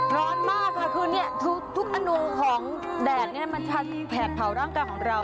ร้อนมากค่ะคือเนี่ยทุกอนูของแดดนี้มันแผดเผาร่างกายของเรา